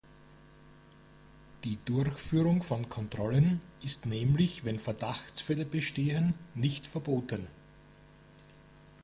Die Durchführung von Kontrollen ist nämlich, wenn Verdachtsfälle bestehen, nicht verboten.